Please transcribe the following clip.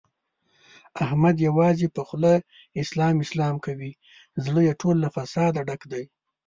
احمد یوازې په خوله اسلام اسلام کوي، زړه یې ټول له فساده ډک دی.